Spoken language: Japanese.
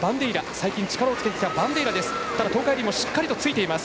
最近、力をつけてきたバンデイラです。